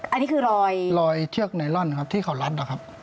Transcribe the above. อันนี้คือรอยรอยเชือกไนลอนครับที่เขารัดนะครับ